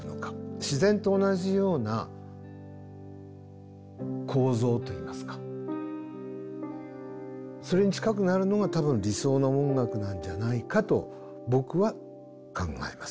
自然と同じような構造といいますかそれに近くなるのが多分理想の音楽なんじゃないかと僕は考えます。